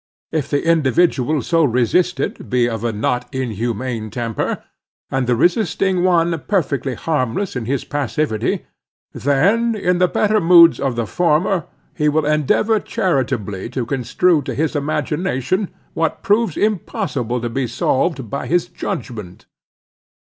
If the individual so resisted be of a not inhumane temper, and the resisting one perfectly harmless in his passivity; then, in the better moods of the former, he will endeavor charitably to construe to his imagination what proves impossible to be solved by his judgment.